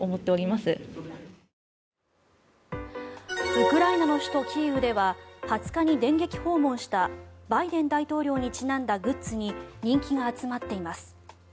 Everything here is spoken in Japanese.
ウクライナの首都キーウでは２０日に電撃訪問したバイデン大統領にちなんだグッズに人気が集まっています。